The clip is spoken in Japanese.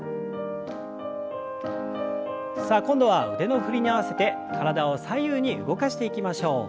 さあ今度は腕の振りに合わせて体を左右に動かしていきましょう。